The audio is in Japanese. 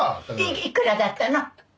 いくらだったの？